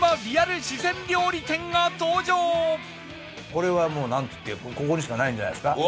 これはもうここにしかないんじゃないですか。